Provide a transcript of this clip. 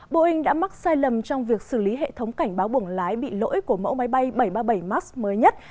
boeing đã mắc sai lầm trong việc xử lý hệ thống cảnh báo buồng lái bị lỗi của mẫu máy bay bảy trăm ba mươi bảy max mới nhất